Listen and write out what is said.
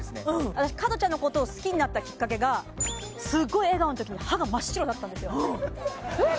私加トちゃんのことを好きになったきっかけがすごい笑顔の時に歯が真っ白だったんですよえっ